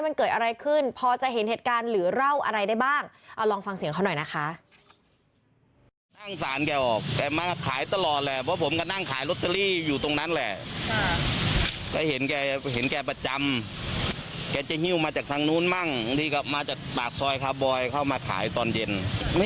มันเกิดอะไรขึ้นพอจะเห็นเหตุการณ์หรือเล่าอะไรได้บ้าง